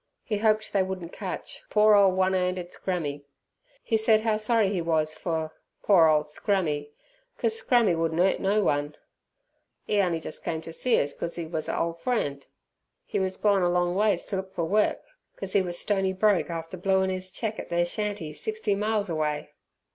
He hoped they wouldn't catch "poor ole one 'anded Scrammy". He said how sorry he was for "poor ole Scrammy, cos Scrammy wouldn't 'urt no one. He on'y jes' came ter see us cos 'e was a ole friend. He was gone along ways ter look fur work, cos 'e was stony broke after blueing 'is cheque at ther shanty sixty miles away."